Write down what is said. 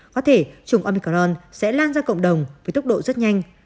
có thể chủng omicron sẽ lan ra cộng đồng với tốc độ rất nhanh